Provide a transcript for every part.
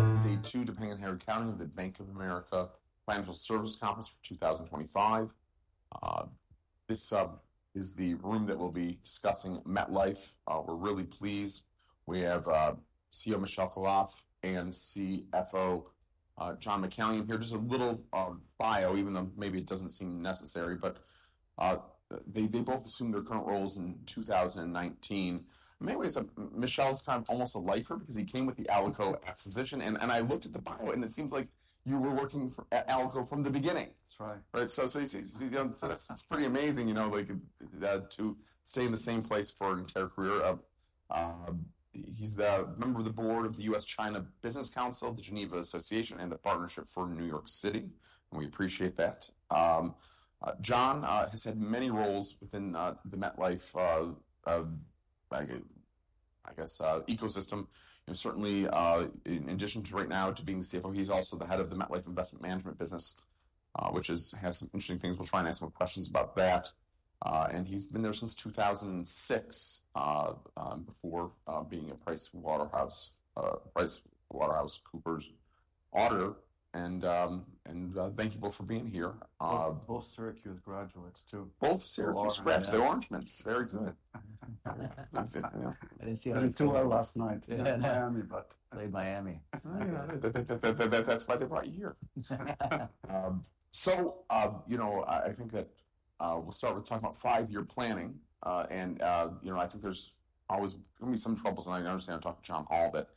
That's day two of the Bank of America Financial Services Conference for 2025. This is the room that we'll be discussing MetLife. We're really pleased. We have CEO Michel Khalaf and CFO John McCallion here. Just a little bio, even though maybe it doesn't seem necessary, but they both assumed their current roles in 2019. Michel is kind of almost a lifer because he came with the Alico acquisition, and I looked at the bio, and it seems like you were working at Alico from the beginning. That's right. Right? So he's pretty amazing, you know, to stay in the same place for an entire career. He's a member of the board of the U.S.-China Business Council, The Geneva Association, and the Partnership for New York City, and we appreciate that. John has had many roles within the MetLife, I guess, ecosystem. Certainly, in addition to right now to being the CFO, he's also the head of the MetLife Investment Management business, which has some interesting things. We'll try and ask some questions about that. And he's been there since 2006 before being a PricewaterhouseCoopers auditor. And thank you both for being here. Both Syracuse graduates, too. Both Syracuse graduates. The Orangemen. Very good. I didn't see anything. I didn't see anything last night. Played Miami. Played Miami. That's why they brought you here. So, you know, I think that we'll start with talking about five-year planning. And, you know, I think there's always going to be some troubles, and I understand I'm talking to John Hall, but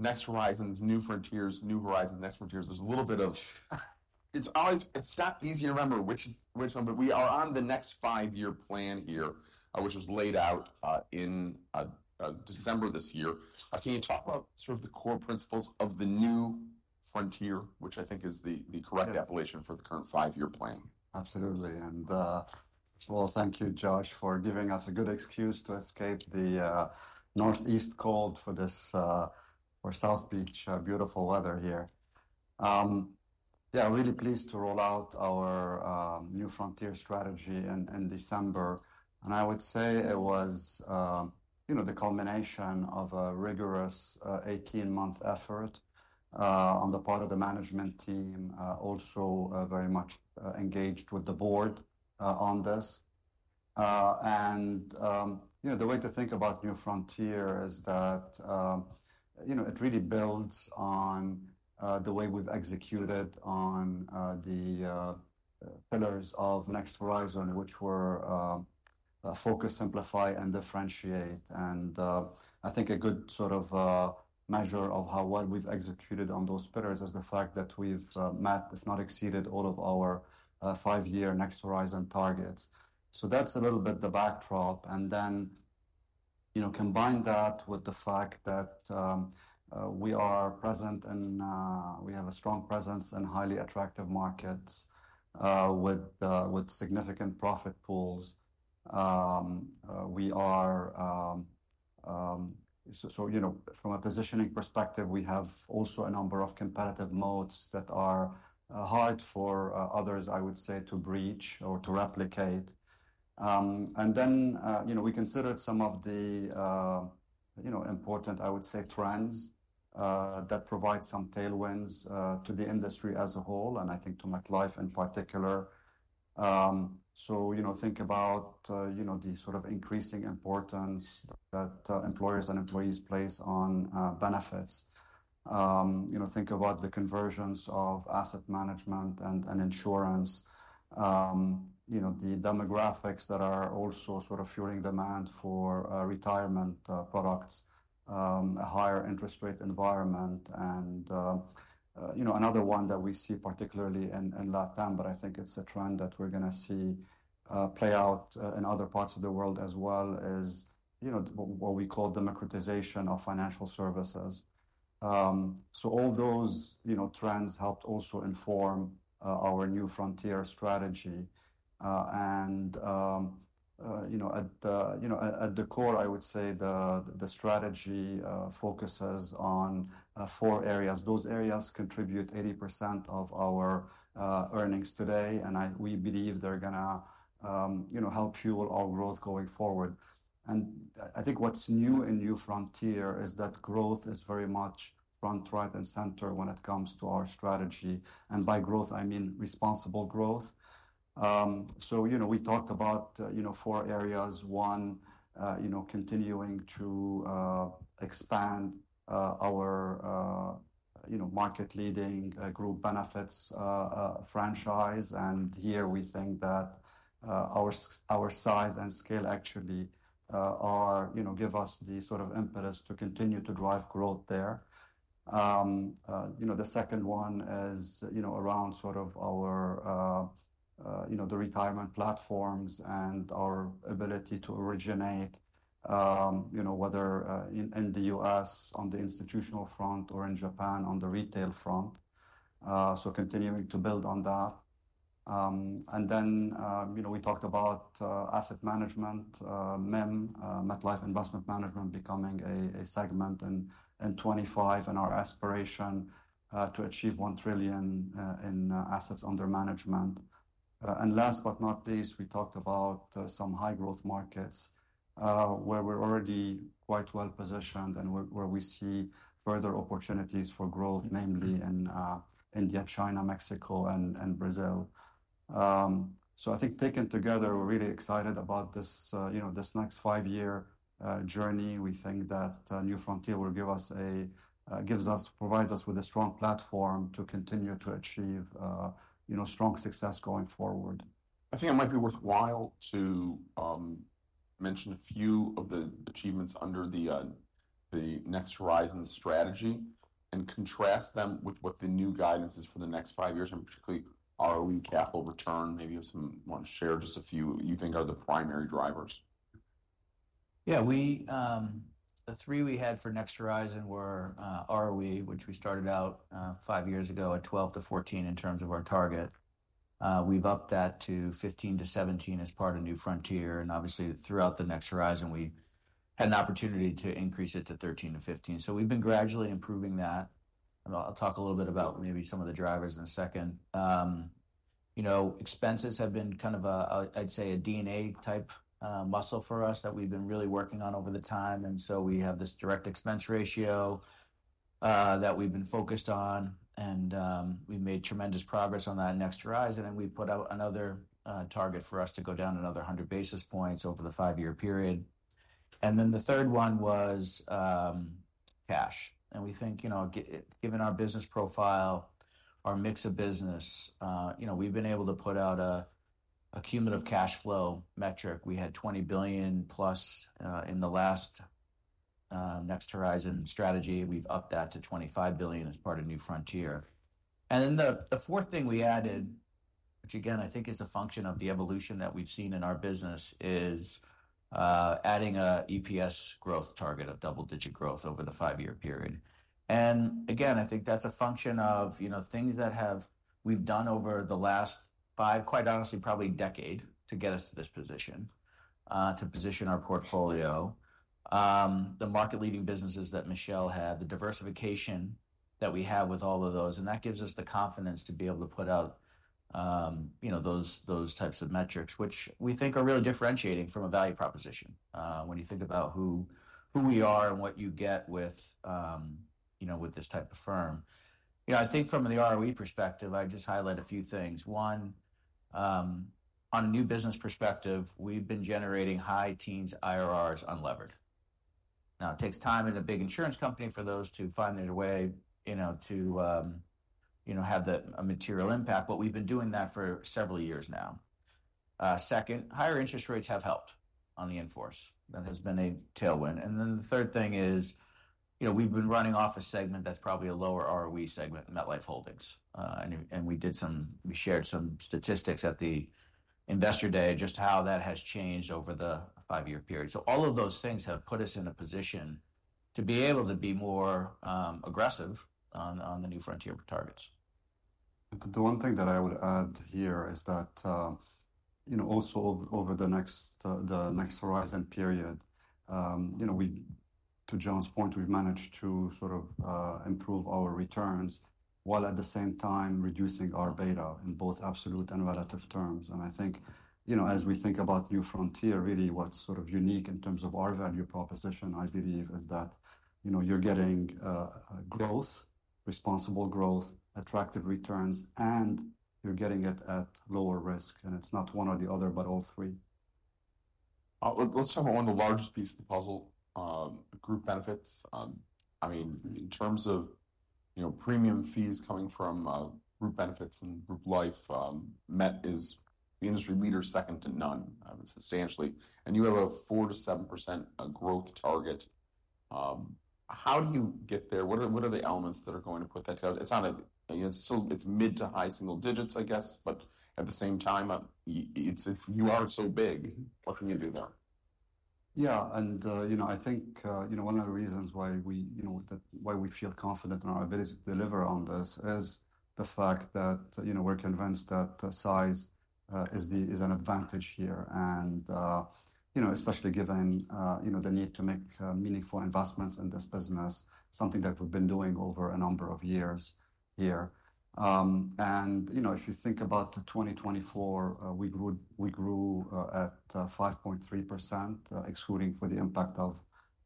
Next Horizons, New Frontiers, New Horizons, Next Frontiers, there's a little bit of it's not easy to remember which one, but we are on the next five-year plan here, which was laid out in December this year. Can you talk about sort of the core principles of the New Frontier, which I think is the correct appellation for the current five-year plan? Absolutely. And first of all, thank you, Josh, for giving us a good excuse to escape the Northeast cold for this South Beach beautiful weather here. Yeah, really pleased to roll out our New Frontier strategy in December. And I would say it was, you know, the culmination of a rigorous 18-month effort on the part of the management team, also very much engaged with the board on this. And, you know, the way to think about New Frontier is that, you know, it really builds on the way we've executed on the pillars of Next Horizon, which were focus, simplify, and differentiate. And I think a good sort of measure of how well we've executed on those pillars is the fact that we've met, if not exceeded, all of our five-year Next Horizon targets. So that's a little bit the backdrop. And then, you know, combine that with the fact that we are present and we have a strong presence in highly attractive markets with significant profit pools. We are, so, you know, from a positioning perspective, we have also a number of competitive moats that are hard for others, I would say, to breach or to replicate. And then, you know, we considered some of the, you know, important, I would say, trends that provide some tailwinds to the industry as a whole, and I think to MetLife in particular. So, you know, think about, you know, the sort of increasing importance that employers and employees place on benefits. You know, think about the convergence of asset management and insurance, you know, the demographics that are also sort of fueling demand for retirement products, a higher interest rate environment. You know, another one that we see particularly in LATAM, but I think it's a trend that we're going to see play out in other parts of the world as well, is, you know, what we call democratization of financial services. All those, you know, trends helped also inform our New Frontier strategy. You know, at the core, I would say the strategy focuses on four areas. Those areas contribute 80% of our earnings today, and we believe they're going to, you know, help fuel our growth going forward. I think what's new in New Frontier is that growth is very much front, right, and center when it comes to our strategy. By growth, I mean responsible growth. You know, we talked about, you know, four areas. One, you know, continuing to expand our, you know, market-leading group benefits franchise. And here we think that our size and scale actually are, you know, give us the sort of impetus to continue to drive growth there. You know, the second one is, you know, around sort of our, you know, the retirement platforms and our ability to originate, you know, whether in the U.S. on the institutional front or in Japan on the retail front. So continuing to build on that. And then, you know, we talked about asset management, MIM, MetLife Investment Management becoming a segment in 2025 and our aspiration to achieve $1 trillion in assets under management. And last but not least, we talked about some high-growth markets where we're already quite well positioned and where we see further opportunities for growth, namely in India, China, Mexico, and Brazil. So I think taken together, we're really excited about this, you know, this next five-year journey. We think that New Frontier will give us, gives us, provides us with a strong platform to continue to achieve, you know, strong success going forward. I think it might be worthwhile to mention a few of the achievements under the Next Horizon strategy and contrast them with what the new guidance is for the next five years, and particularly ROE, capital return. Maybe some want to share just a few you think are the primary drivers. Yeah, the three we had for Next Horizon were ROE, which we started out five years ago at 12%–14% in terms of our target. We've upped that to 15%–17% as part of New Frontier. And obviously, throughout the Next Horizon, we had an opportunity to increase it to 13%–15%. So we've been gradually improving that. And I'll talk a little bit about maybe some of the drivers in a second. You know, expenses have been kind of, I'd say, a DNA-type muscle for us that we've been really working on over the time. And so we have this direct expense ratio that we've been focused on, and we've made tremendous progress on that Next Horizon. And we put out another target for us to go down another 100 basis points over the five-year period. And then the third one was cash. We think, you know, given our business profile, our mix of business, you know, we've been able to put out a cumulative cash flow metric. We had $20 billion plus in the last Next Horizon strategy. We've upped that to $25 billion as part of New Frontier. And then the fourth thing we added, which again, I think is a function of the evolution that we've seen in our business, is adding an EPS growth target, a double-digit growth over the five-year period. And again, I think that's a function of, you know, things that we've done over the last five, quite honestly, probably a decade to get us to this position, to position our portfolio. The market-leading businesses that Michel had, the diversification that we have with all of those, and that gives us the confidence to be able to put out, you know, those types of metrics, which we think are really differentiating from a value proposition when you think about who we are and what you get with, you know, with this type of firm. You know, I think from the ROE perspective, I just highlight a few things. One, on a new business perspective, we've been generating high teens IRRs unlevered. Now, it takes time in a big insurance company for those to find their way, you know, to, you know, have a material impact, but we've been doing that for several years now. Second, higher interest rates have helped on the in-force. That has been a tailwind. And then the third thing is, you know, we've been running off a segment that's probably a lower ROE segment, MetLife Holdings. And we did some; we shared some statistics at the investor day just how that has changed over the five-year period. So all of those things have put us in a position to be able to be more aggressive on the New Frontier targets. The one thing that I would add here is that, you know, also over the Next Horizon period, you know, to John's point, we've managed to sort of improve our returns while at the same time reducing our beta in both absolute and relative terms, and I think, you know, as we think about New Frontier, really what's sort of unique in terms of our value proposition, I believe, is that, you know, you're getting growth, responsible growth, attractive returns, and you're getting it at lower risk, and it's not one or the other, but all three. Let's talk about one of the largest pieces of the puzzle, group benefits. I mean, in terms of, you know, premium fees coming from group benefits and group life, Met is the industry leader second to none, substantially, and you have a 4%–7% growth target. How do you get there? What are the elements that are going to put that together? It's on a, you know, it's mid to high single digits, I guess, but at the same time, you are so big. What can you do there? Yeah. And you know, I think you know, one of the reasons why we you know, why we feel confident in our ability to deliver on this is the fact that you know, we're convinced that size is an advantage here. And you know, especially given you know, the need to make meaningful investments in this business, something that we've been doing over a number of years here. And you know, if you think about 2024, we grew at 5.3%, excluding for the impact of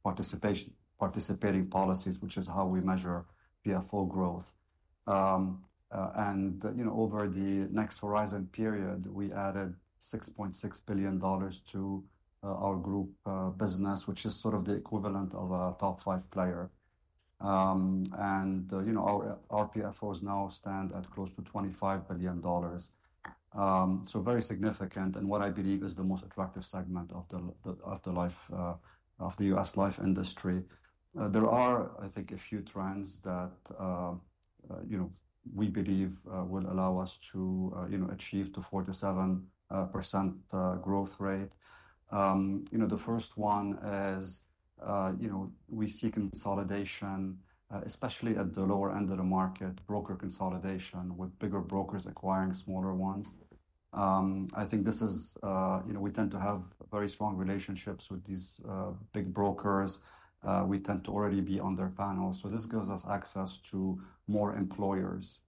participating policies, which is how we measure PFO growth. And you know, over the Next Horizon period, we added $6.6 billion to our group business, which is sort of the equivalent of a top five player. And you know, our PFOs now stand at close to $25 billion. So very significant. And what I believe is the most attractive segment of the life, of the U.S. life industry. There are, I think, a few trends that, you know, we believe will allow us to, you know, achieve the 4%–7% growth rate. You know, the first one is, you know, we see consolidation, especially at the lower end of the market, broker consolidation with bigger brokers acquiring smaller ones. I think this is, you know, we tend to have very strong relationships with these big brokers. We tend to already be on their panel. So this gives us access to more employers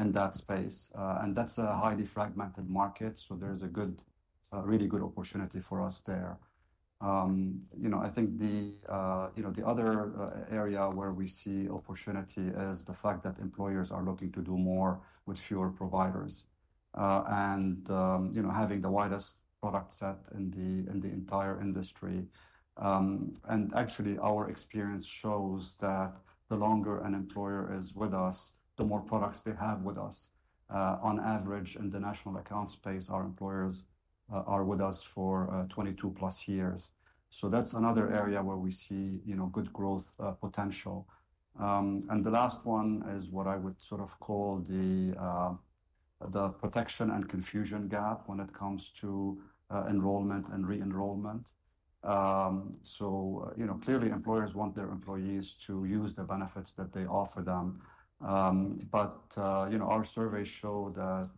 in that space. And that's a highly fragmented market. So there's a good, really good opportunity for us there. You know, I think the, you know, the other area where we see opportunity is the fact that employers are looking to do more with fewer providers. You know, having the widest product set in the entire industry. Actually, our experience shows that the longer an employer is with us, the more products they have with us. On average, in the national account space, our employers are with us for 22+ years. That's another area where we see, you know, good growth potential. The last one is what I would sort of call the protection and confusion gap when it comes to enrollment and re-enrollment. You know, clearly, employers want their employees to use the benefits that they offer them. Our survey showed that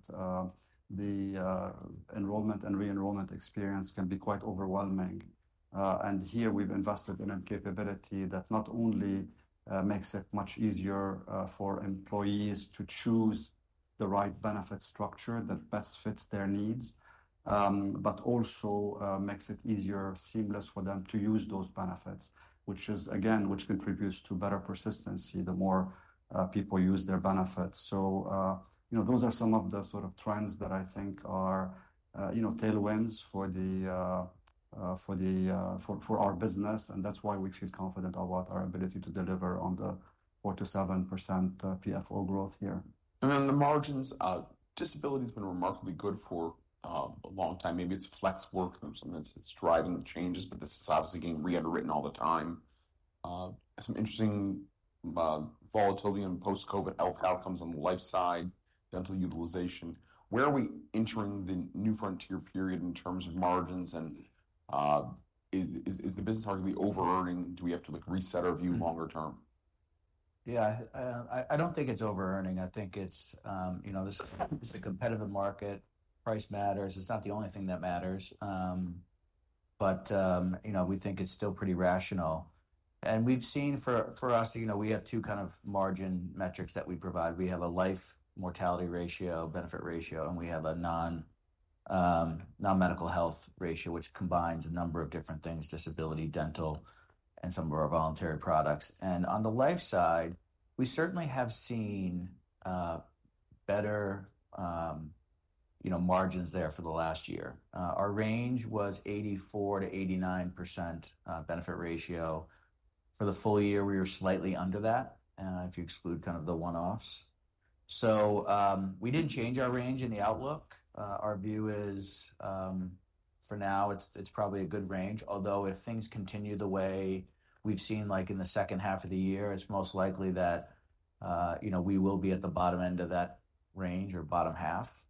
the enrollment and re-enrollment experience can be quite overwhelming. Here we've invested in a capability that not only makes it much easier for employees to choose the right benefit structure that best fits their needs, but also makes it easier, seamless for them to use those benefits, which is, again, which contributes to better persistency the more people use their benefits. You know, those are some of the sort of trends that I think are, you know, tailwinds for our business. That's why we feel confident about our ability to deliver on the 4%–7% PFO growth here. And then the margins, disability has been remarkably good for a long time. Maybe it's flex work or something that's driving the changes, but this is obviously getting rewritten all the time. Some interesting volatility in post-COVID health outcomes on the life side, dental utilization. Where are we entering the New Frontier period in terms of margins? And is the business arguably over-earning? Do we have to reset our view longer term? Yeah, I don't think it's over-earning. I think it's, you know, this is a competitive market. Price matters. It's not the only thing that matters. But, you know, we think it's still pretty rational. And we've seen for us, you know, we have two kind of margin metrics that we provide. We have a life mortality ratio, benefit ratio, and we have a non-medical health ratio, which combines a number of different things, disability, dental, and some of our voluntary products. And on the life side, we certainly have seen better, you know, margins there for the last year. Our range was 84%-89% benefit ratio. For the full year, we were slightly under that if you exclude kind of the one-offs. So we didn't change our range in the outlook. Our view is for now, it's probably a good range, although if things continue the way we've seen, like in the second half of the year, it's most likely that, you know, we will be at the bottom end of that range or bottom half.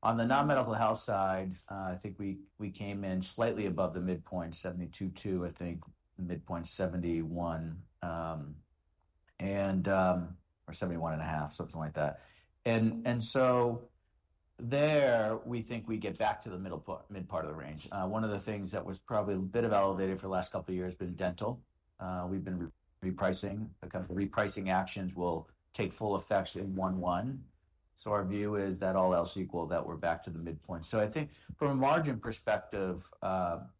On the non-medical health side, I think we came in slightly above the midpoint, 72.2, I think, midpoint 71 or 71.5, something like that. And so there, we think we get back to the middle part of the range. One of the things that was probably a bit of elevated for the last couple of years has been dental. We've been repricing. The kind of repricing actions will take full effect in 2025. So our view is that all else equal that we're back to the midpoint. I think from a margin perspective,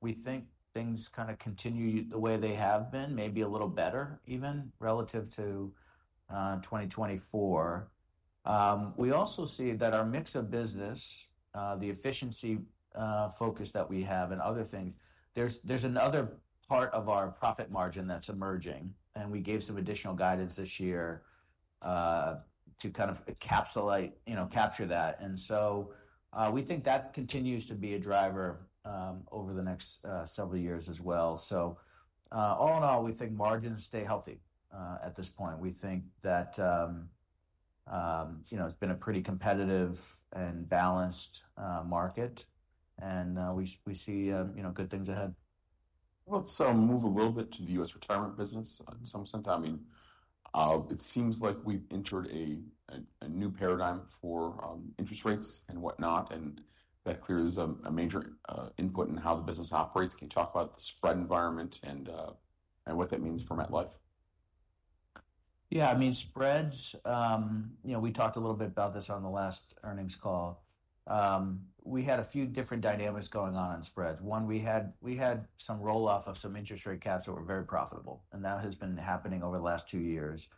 we think things kind of continue the way they have been, maybe a little better even relative to 2024. We also see that our mix of business, the efficiency focus that we have and other things, there's another part of our profit margin that's emerging. We gave some additional guidance this year to kind of encapsulate, you know, capture that. We think that continues to be a driver over the next several years as well. All in all, we think margins stay healthy at this point. We think that, you know, it's been a pretty competitive and balanced market. We see, you know, good things ahead. Let's move a little bit to the U.S. retirement business in some sense. I mean, it seems like we've entered a new paradigm for interest rates and whatnot. And that clearly is a major input in how the business operates. Can you talk about the spread environment and what that means for MetLife? Yeah, I mean, spreads, you know, we talked a little bit about this on the last earnings call. We had a few different dynamics going on on spreads. One, we had some roll-off of some interest rate caps that were very profitable. And that has been happening over the last two years.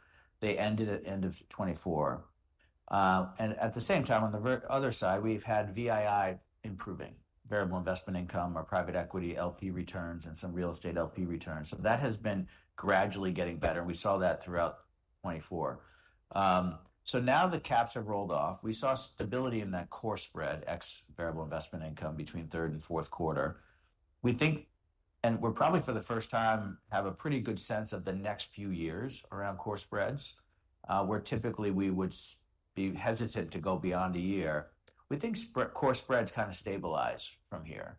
They ended at the end of 2024. And at the same time, on the other side, we've had VII improving, variable investment income, our private equity LP returns, and some real estate LP returns. So that has been gradually getting better. And we saw that throughout 2024. So now the caps have rolled off. We saw stability in that core spread, ex variable investment income between third and fourth quarter. We think, and we're probably for the first time have a pretty good sense of the next few years around core spreads, where typically we would be hesitant to go beyond a year. We think core spreads kind of stabilize from here,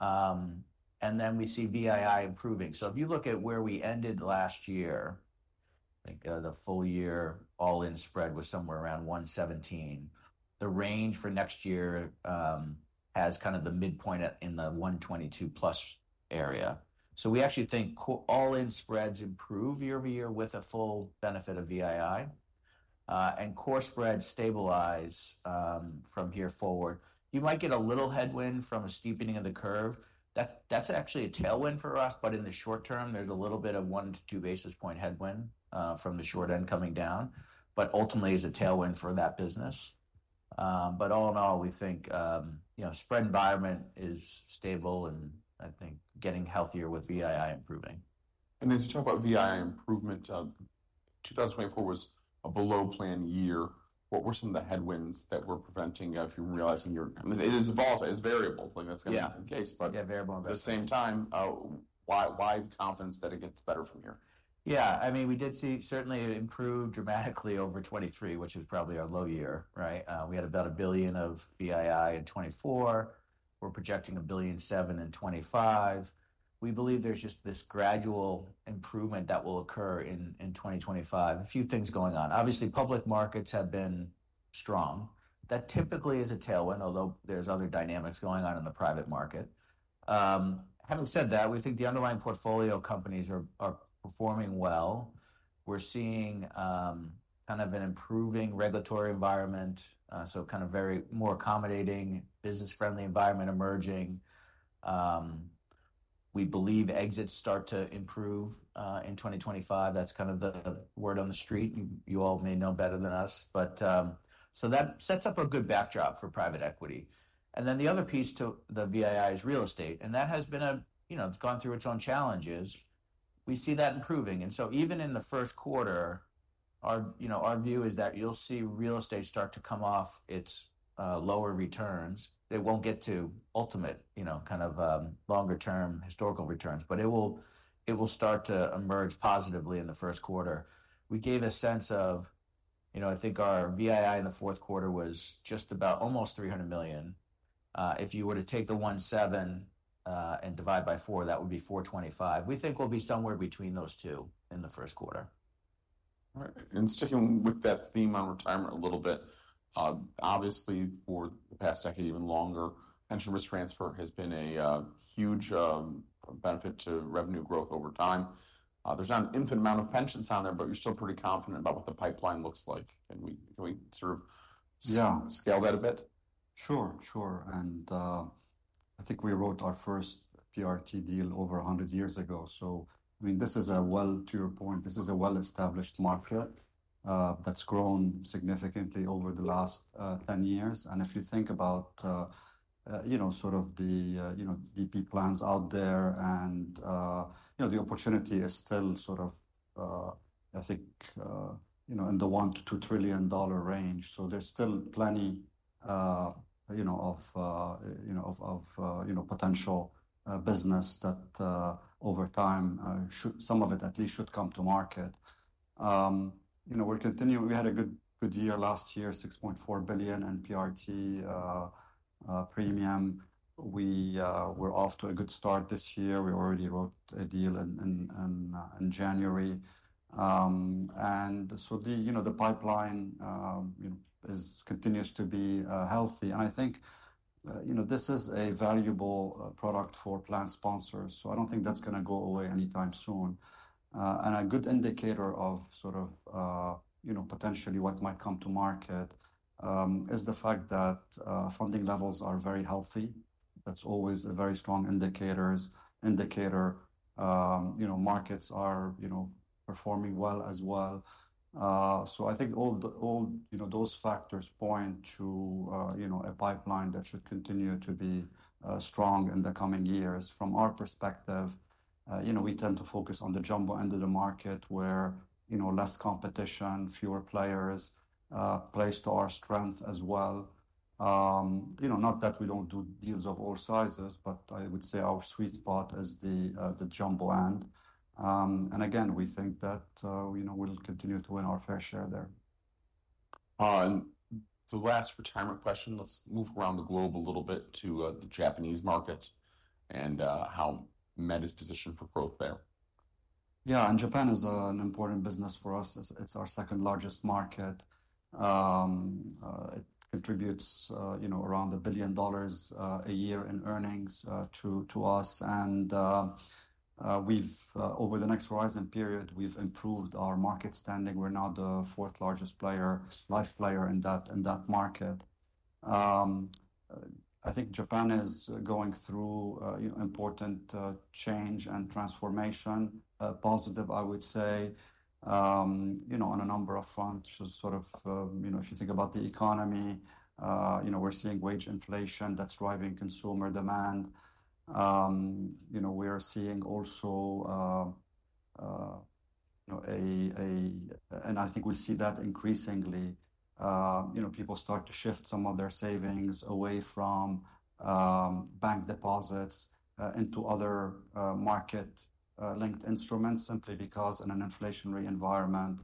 and then we see VII improving, so if you look at where we ended last year, I think the full year all-in spread was somewhere around 117. The range for next year has kind of the midpoint in the 122+ area, so we actually think all-in spreads improve year over year with a full benefit of VII, and core spreads stabilize from here forward. You might get a little headwind from a steepening of the curve. That's actually a tailwind for us, but in the short term, there's a little bit of one to two basis point headwind from the short end coming down. But ultimately, it's a tailwind for that business. But all in all, we think, you know, spread environment is stable and I think getting healthier with VII improving. And as you talk about VII improvement, 2024 was a below plan year. What were some of the headwinds that were preventing you from realizing your, it is volatile, it's variable, that's going to be the case. Yeah, variable investment. At the same time, why the confidence that it gets better from here? Yeah, I mean, we did see certainly it improved dramatically over 2023, which is probably our low year, right? We had about $1 billion of VII in 2024. We're projecting $1.7 billion in 2025. We believe there's just this gradual improvement that will occur in 2025. A few things going on. Obviously, public markets have been strong. That typically is a tailwind, although there's other dynamics going on in the private market. Having said that, we think the underlying portfolio companies are performing well. We're seeing kind of an improving regulatory environment. So kind of very more accommodating business-friendly environment emerging. We believe exits start to improve in 2025. That's kind of the word on the street. You all may know better than us. But so that sets up a good backdrop for private equity. And then the other piece to the VII is real estate. That has been a, you know, it's gone through its own challenges. We see that improving. So even in the first quarter, our, you know, our view is that you'll see real estate start to come off its lower returns. They won't get to ultimate, you know, kind of longer-term historical returns, but it will start to emerge positively in the first quarter. We gave a sense of, you know, I think our VII in the fourth quarter was just about almost $300 million. If you were to take the 17 and divide by four, that would be 425. We think we'll be somewhere between those two in the first quarter. All right. And sticking with that theme on retirement a little bit, obviously for the past decade, even longer, Pension Risk Transfer has been a huge benefit to revenue growth over time. There's not an infinite amount of pensions on there, but you're still pretty confident about what the pipeline looks like. Can we sort of scale that a bit? Sure, sure. And I think we wrote our first PRT deal over 100 years ago. So, I mean, this is a, well, to your point, this is a well-established market that's grown significantly over the last 10 years. And if you think about, you know, sort of the, you know, DB plans out there and, you know, the opportunity is still sort of, I think, you know, in the $1-$2 trillion range. So there's still plenty, you know, of potential business that over time, some of it at least should come to market. You know, we're continuing. We had a good year last year, $6.4 billion in PRT premium. We were off to a good start this year. We already wrote a deal in January. And so the, you know, the pipeline, you know, continues to be healthy. I think, you know, this is a valuable product for plan sponsors. So I don't think that's going to go away anytime soon. A good indicator of sort of, you know, potentially what might come to market is the fact that funding levels are very healthy. That's always a very strong indicator, you know, markets are, you know, performing well as well. So I think all the, you know, those factors point to, you know, a pipeline that should continue to be strong in the coming years. From our perspective, you know, we tend to focus on the jumbo end of the market where, you know, less competition, fewer players plays to our strength as well. You know, not that we don't do deals of all sizes, but I would say our sweet spot is the jumbo end. Again, we think that, you know, we'll continue to win our fair share there. The last retirement question, let's move around the globe a little bit to the Japanese market and how Met is positioned for growth there. Yeah, and Japan is an important business for us. It's our second largest market. It contributes, you know, around $1 billion a year in earnings to us. And we've, over the Next Horizon period, we've improved our market standing. We're now the fourth largest player, life player in that market. I think Japan is going through, you know, important change and transformation, positive, I would say, you know, on a number of fronts. So sort of, you know, if you think about the economy, you know, we're seeing wage inflation that's driving consumer demand. You know, we are seeing also, you know, and I think we'll see that increasingly, you know, people start to shift some of their savings away from bank deposits into other market-linked instruments simply because in an inflationary environment,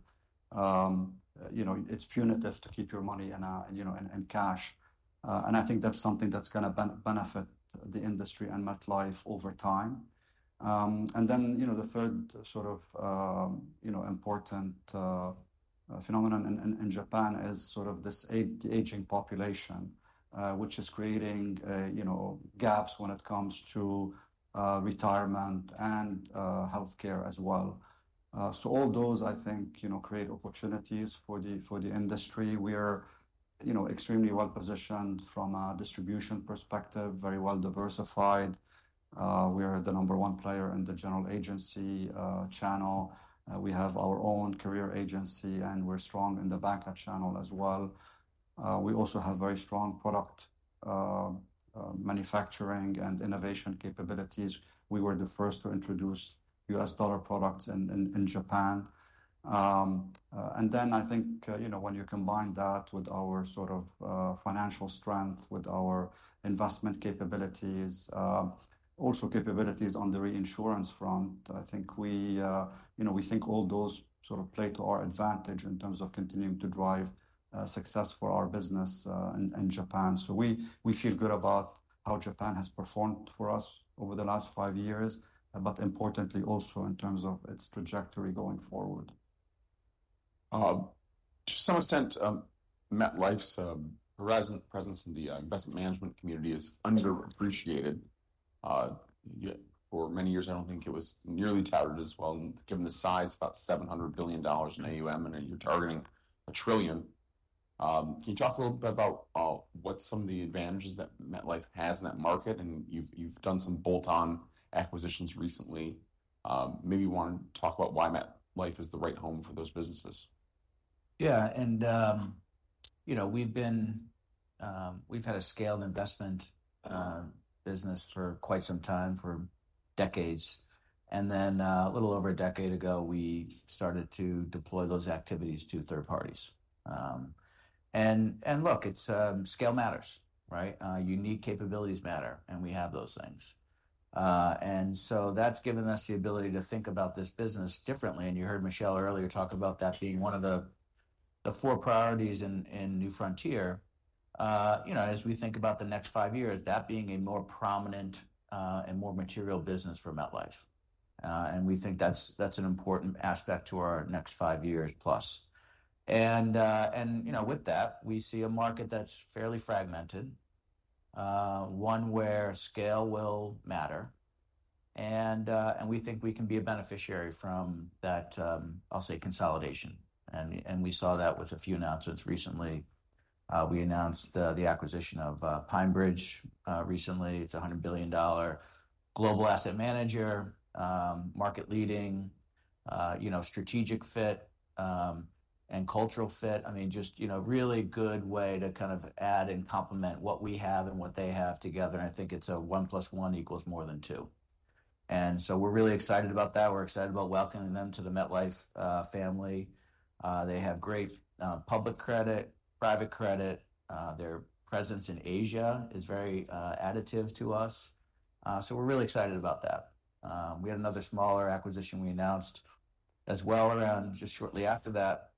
you know, it's punitive to keep your money in, you know, in cash. I think that's something that's going to benefit the industry and MetLife over time. Then, you know, the third sort of, you know, important phenomenon in Japan is sort of this aging population, which is creating, you know, gaps when it comes to retirement and healthcare as well. All those, I think, you know, create opportunities for the industry. We are, you know, extremely well positioned from a distribution perspective, very well diversified. We are the number one player in the general agency channel. We have our own career agency and we're strong in the bank channel as well. We also have very strong product manufacturing and innovation capabilities. We were the first to introduce U.S. dollar products in Japan. Then I think, you know, when you combine that with our sort of financial strength, with our investment capabilities, also capabilities on the reinsurance front, I think we, you know, we think all those sort of play to our advantage in terms of continuing to drive success for our business in Japan. We feel good about how Japan has performed for us over the last five years, but importantly also in terms of its trajectory going forward. To some extent, MetLife's present presence in the investment management community is underappreciated. For many years, I don't think it was nearly touted as well. Given the size, about $700 billion in AUM, and you're targeting $1 trillion. Can you talk a little bit about what some of the advantages that MetLife has in that market? And you've done some bolt-on acquisitions recently. Maybe you want to talk about why MetLife is the right home for those businesses. Yeah, and you know, we've been, we've had a scaled investment business for quite some time, for decades. And then a little over a decade ago, we started to deploy those activities to third parties. And look, it's scale matters, right? Unique capabilities matter. And we have those things. And so that's given us the ability to think about this business differently. And you heard Michel earlier talk about that being one of the four priorities in New Frontier. You know, as we think about the next five years, that being a more prominent and more material business for MetLife. And we think that's an important aspect to our next five years plus. And, you know, with that, we see a market that's fairly fragmented, one where scale will matter. And we think we can be a beneficiary from that, I'll say, consolidation. We saw that with a few announcements recently. We announced the acquisition of PineBridge recently. It's a $100 billion global asset manager, market leading, you know, strategic fit and cultural fit. I mean, just, you know, really good way to kind of add and complement what we have and what they have together. I think it's a one plus one equals more than two. We're really excited about that. We're excited about welcoming them to the MetLife family. They have great public credit, private credit. Their presence in Asia is very additive to us. We're really excited about that. We had another smaller acquisition we announced as well around just shortly after that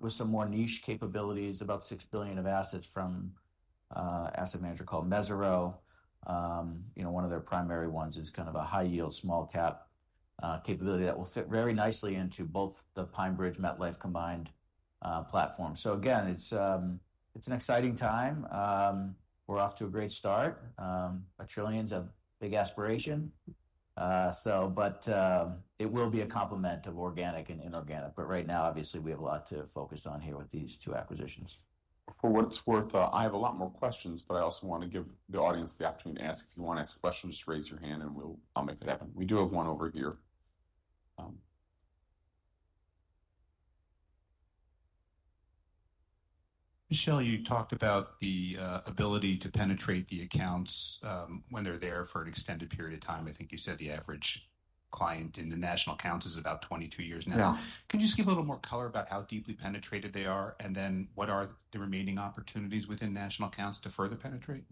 with some more niche capabilities, about $6 billion of assets from an asset manager called Mesirow. You know, one of their primary ones is kind of a high yield small capability that will fit very nicely into both the PineBridge MetLife combined platform. So again, it's an exciting time. We're off to a great start. A trillion is a big aspiration. So, but it will be a complement of organic and inorganic. But right now, obviously, we have a lot to focus on here with these two acquisitions. For what it's worth, I have a lot more questions, but I also want to give the audience the opportunity to ask. If you want to ask a question, just raise your hand and I'll make it happen. We do have one over here. Michel, you talked about the ability to penetrate the accounts when they're there for an extended period of time. I think you said the average client in the national accounts is about 22 years now. Can you just give a little more color about how deeply penetrated they are? And then what are the remaining opportunities within national accounts to further penetrate?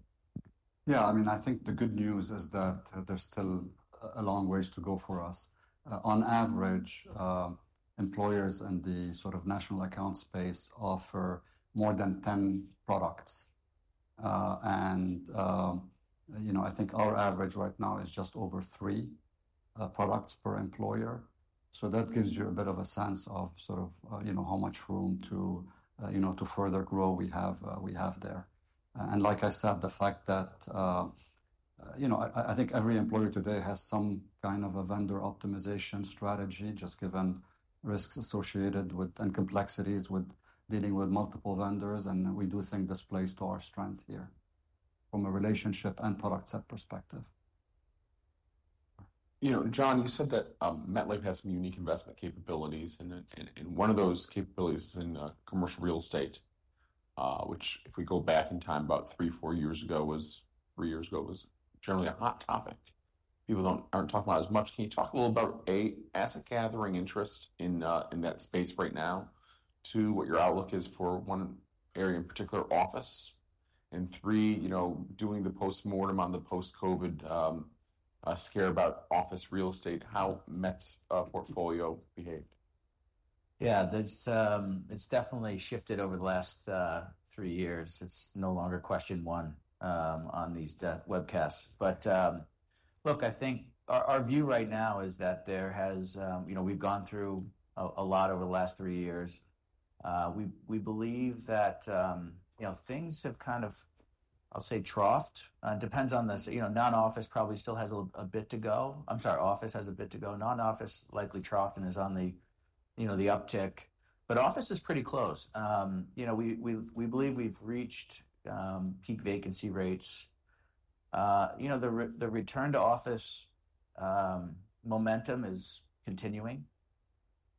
Yeah, I mean, I think the good news is that there's still a long ways to go for us. On average, employers in the sort of national account space offer more than 10 products. And, you know, I think our average right now is just over three products per employer. So that gives you a bit of a sense of sort of, you know, how much room to, you know, to further grow we have there. And like I said, the fact that, you know, I think every employer today has some kind of a vendor optimization strategy, just given risks associated with and complexities with dealing with multiple vendors. And we do think this plays to our strength here from a relationship and product set perspective. You know, John, you said that MetLife has some unique investment capabilities. And one of those capabilities is in commercial real estate, which if we go back in time, about three, four years ago, was three years ago, was generally a hot topic. People aren't talking about as much. Can you talk a little about asset gathering interest in that space right now? Two, what your outlook is for one area in particular, office? And three, you know, doing the post-mortem on the post-COVID scare about office real estate, how Met's portfolio behaved? Yeah, it's definitely shifted over the last three years. It's no longer question one on these webcasts. But look, I think our view right now is that there has, you know, we've gone through a lot over the last three years. We believe that, you know, things have kind of, I'll say, troughed. Depends on this, you know, non-office probably still has a bit to go. I'm sorry, office has a bit to go. Non-office likely troughed and is on the, you know, the uptick. But office is pretty close. You know, we believe we've reached peak vacancy rates. You know, the return to office momentum is continuing.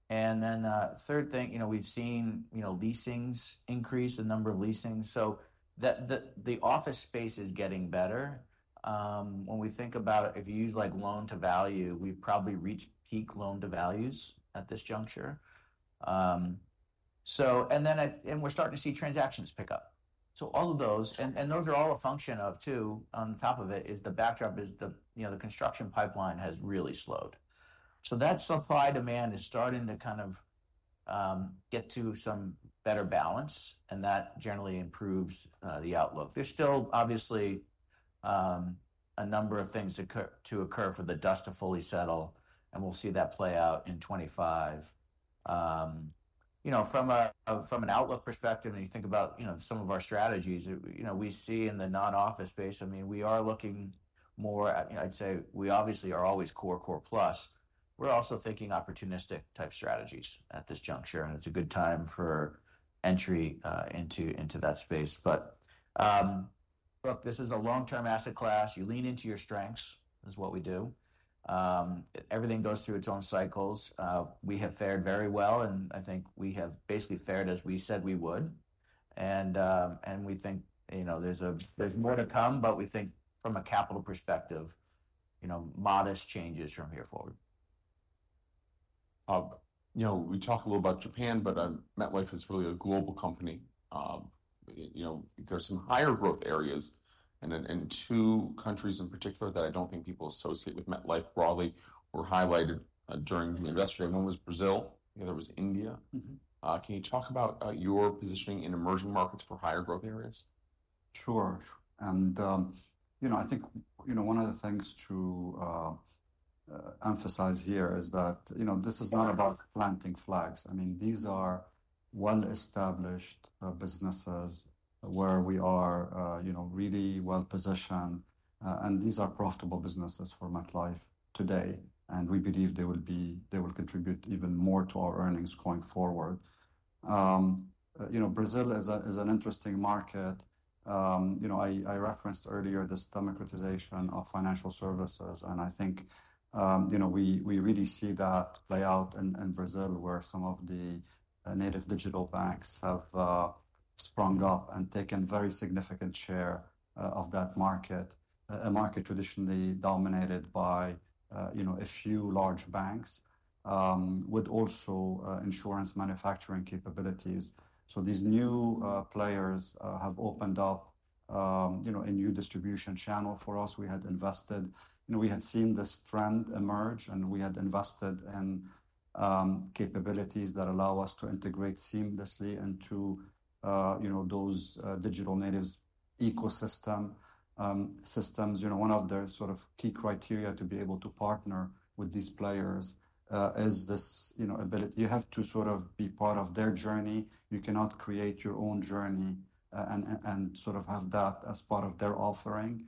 And then third thing, you know, we've seen, you know, leasings increase, the number of leasings. So the office space is getting better. When we think about it, if you use like loan to value, we've probably reached peak loan to values at this juncture, and then we're starting to see transactions pick up, so all of those, and those are all a function of too. On top of it, the backdrop is, you know, the construction pipeline has really slowed, so that supply demand is starting to kind of get to some better balance, and that generally improves the outlook. There's still obviously a number of things to occur for the dust to fully settle, and we'll see that play out in 2025. You know, from an outlook perspective, and you think about, you know, some of our strategies, you know, we see in the non-office space. I mean, we are looking more at, you know, I'd say we obviously are always core, core plus. We're also thinking opportunistic type strategies at this juncture. And it's a good time for entry into that space. But look, this is a long-term asset class. You lean into your strengths is what we do. Everything goes through its own cycles. We have fared very well. And I think we have basically fared as we said we would. And we think, you know, there's more to come, but we think from a capital perspective, you know, modest changes from here forward. You know, we talk a little about Japan, but MetLife is really a global company. You know, there's some higher growth areas, and two countries in particular that I don't think people associate with MetLife broadly were highlighted during the investor day. One was Brazil. The other was India. Can you talk about your positioning in emerging markets for higher growth areas? Sure, and you know, I think, you know, one of the things to emphasize here is that, you know, this is not about planting flags. I mean, these are well-established businesses where we are, you know, really well positioned, and these are profitable businesses for MetLife today, and we believe they will be. They will contribute even more to our earnings going forward. You know, Brazil is an interesting market. You know, I referenced earlier this democratization of financial services, and I think, you know, we really see that play out in Brazil where some of the native digital banks have sprung up and taken very significant share of that market, a market traditionally dominated by, you know, a few large banks with also insurance manufacturing capabilities, so these new players have opened up, you know, a new distribution channel for us. We had invested, you know, we had seen this trend emerge. And we had invested in capabilities that allow us to integrate seamlessly into, you know, those digital natives ecosystem systems. You know, one of their sort of key criteria to be able to partner with these players is this, you know, ability. You have to sort of be part of their journey. You cannot create your own journey and sort of have that as part of their offering.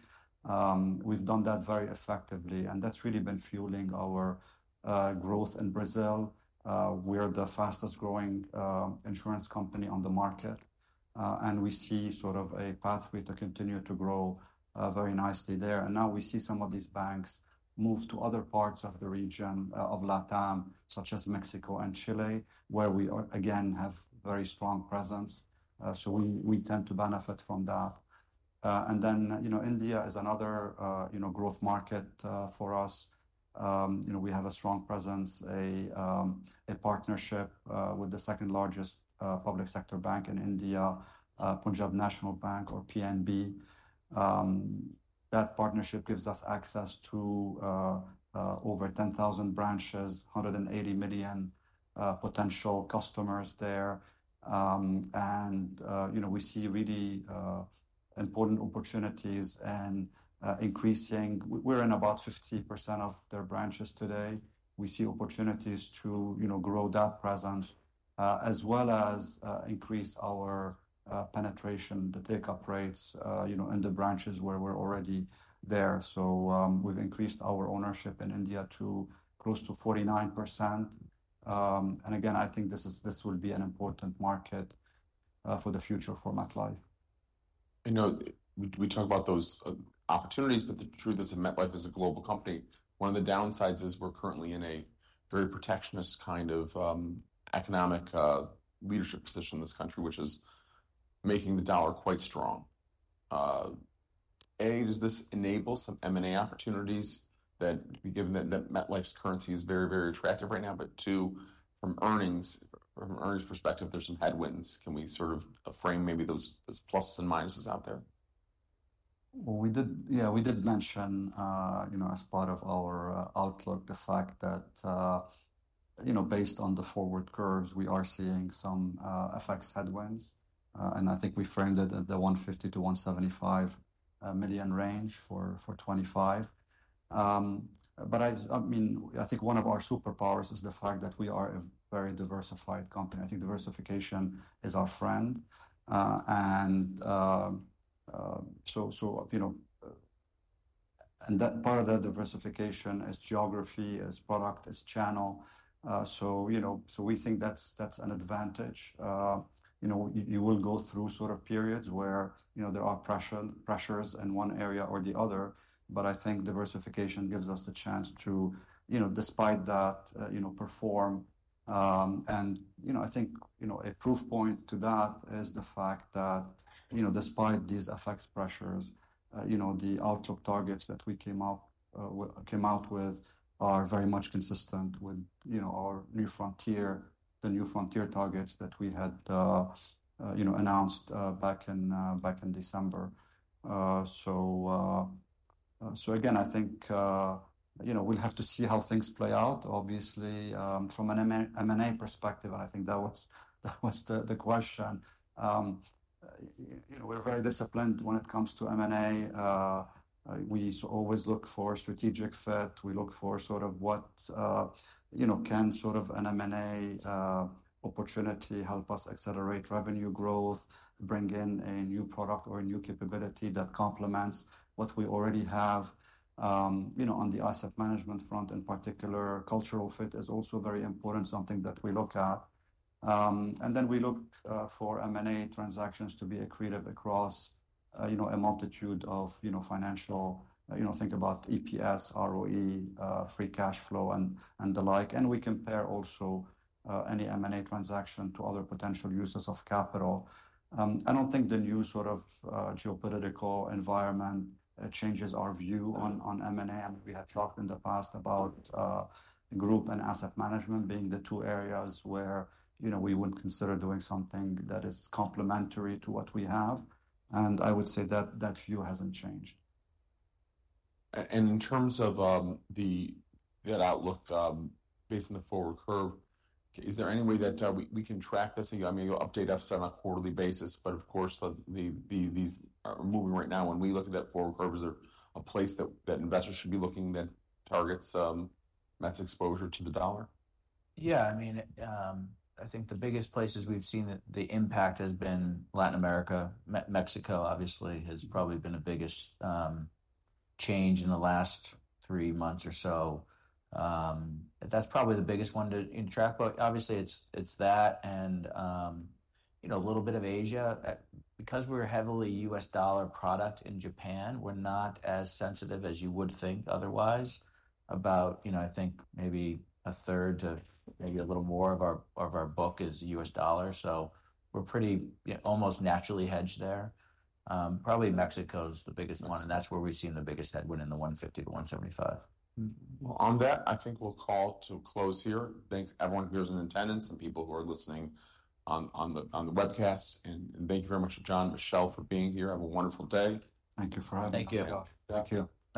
We've done that very effectively. And that's really been fueling our growth in Brazil. We are the fastest growing insurance company on the market. And we see sort of a pathway to continue to grow very nicely there. And now we see some of these banks move to other parts of the region of LATAM, such as Mexico and Chile, where we again have very strong presence. So we tend to benefit from that. And then, you know, India is another, you know, growth market for us. You know, we have a strong presence, a partnership with the second largest public sector bank in India, Punjab National Bank or PNB. That partnership gives us access to over 10,000 branches, 180 million potential customers there. And, you know, we see really important opportunities and increasing. We're in about 50% of their branches today. We see opportunities to, you know, grow that presence as well as increase our penetration, the take-up rates, you know, in the branches where we're already there. So we've increased our ownership in India to close to 49%. And again, I think this will be an important market for the future for MetLife. You know, we talk about those opportunities, but the truth is that MetLife is a global company. One of the downsides is we're currently in a very protectionist kind of economic leadership position in this country, which is making the dollar quite strong. A, does this enable some M&A opportunities that, given that MetLife's currency is very, very attractive right now? But two, from earnings, from earnings perspective, there's some headwinds. Can we sort of frame maybe those pluses and minuses out there? We did, yeah, we did mention, you know, as part of our outlook, the fact that, you know, based on the forward curves, we are seeing some FX headwinds. And I think we framed it at the $150 million-$175 million range for 2025. But I mean, I think one of our superpowers is the fact that we are a very diversified company. I think diversification is our friend. And so, you know, and that part of that diversification is geography, is product, is channel. So, you know, so we think that's an advantage. You know, you will go through sort of periods where, you know, there are pressures in one area or the other. But I think diversification gives us the chance to, you know, despite that, you know, perform. You know, I think, you know, a proof point to that is the fact that, you know, despite these FX pressures, you know, the outlook targets that we came out with are very much consistent with, you know, our New Frontier, the New Frontier targets that we had, you know, announced back in December. So again, I think, you know, we'll have to see how things play out, obviously, from an M&A perspective. I think that was the question. You know, we're very disciplined when it comes to M&A. We always look for strategic fit. We look for sort of what, you know, can sort of an M&A opportunity help us accelerate revenue growth, bring in a new product or a new capability that complements what we already have, you know, on the asset management front in particular. Cultural fit is also very important, something that we look at. And then we look for M&A transactions to be accretive across, you know, a multitude of, you know, financial, you know, think about EPS, ROE, free cash flow, and the like. And we compare also any M&A transaction to other potential uses of capital. I don't think the new sort of geopolitical environment changes our view on M&A. And we had talked in the past about group and asset management being the two areas where, you know, we wouldn't consider doing something that is complementary to what we have. And I would say that that view hasn't changed. In terms of the outlook based on the forward curve, is there any way that we can track this? I mean, you'll update FSA on a quarterly basis. But of course, these are moving right now. When we look at that forward curve, is there a place that investors should be looking that targets Met's exposure to the dollar? Yeah, I mean, I think the biggest places we've seen the impact has been Latin America. Mexico, obviously, has probably been the biggest change in the last three months or so. That's probably the biggest one to track. But obviously, it's that. And, you know, a little bit of Asia. Because we're a heavily U.S. dollar product in Japan, we're not as sensitive as you would think otherwise about, you know, I think maybe a third to maybe a little more of our book is U.S. dollar. So we're pretty almost naturally hedged there. Probably Mexico is the biggest one. And that's where we've seen the biggest headwind in the 150–175. On that, I think we'll call to close here. Thanks, everyone who is in attendance and people who are listening on the webcast. Thank you very much to John and Michel for being here. Have a wonderful day. Thank you for having me. Thank you. Thank you.